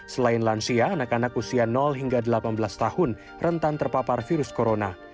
selain lansia anak anak usia hingga delapan belas tahun rentan terpapar virus corona